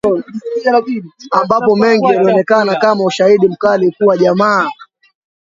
Ambapo mengi yalionekana kama ushaidi mkali kuwa jamaa